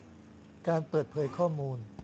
การเปิดเผยข้อมูล